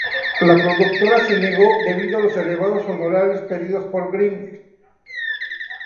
La productora se negó, debido a los elevados honorarios pedidos por Wright.